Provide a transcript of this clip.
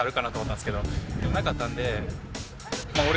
でもなかったので。